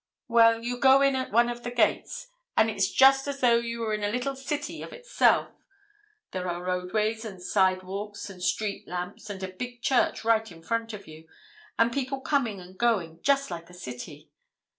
"Well, you go in at one of the gates, and it's just as though you were in a little city of itself. There are roadways and sidewalks and street lamps, and a big church right in front of you, and people coming and going, just like a city.